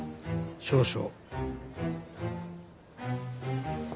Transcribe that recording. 少々。